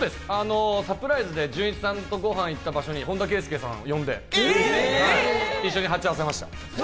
サプライズで、じゅんいちさんとご飯行ったときに本田圭佑さんを呼んで、一緒に鉢合わせました。